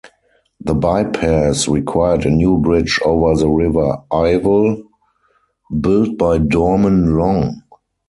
The bypass required a new bridge over the River Ivel, built by Dorman Long.